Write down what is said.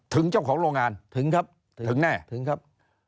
ถึงเจ้าของโรงงานถึงครับถึงแน่ถึงครับ